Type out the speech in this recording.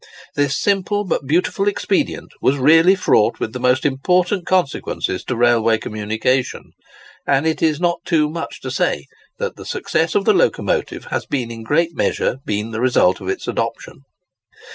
This simple but beautiful expedient was really fraught with the most important consequences to railway communication; and it is not too much to say that the success of the locomotive has in a great measure been the result of its adoption.